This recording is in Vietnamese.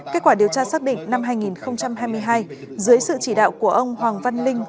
kết quả điều tra xác định năm hai nghìn hai mươi hai dưới sự chỉ đạo của ông hoàng văn linh